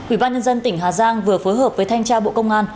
ủy ban nhân dân tỉnh hà giang vừa phối hợp với thanh tra bộ công an